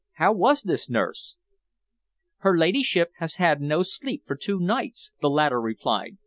How was this, nurse?" "Her ladyship has had no sleep for two nights," the latter replied.